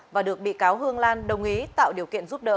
và được bị cáo hương lan đồng ý tạo điều kiện giúp đỡ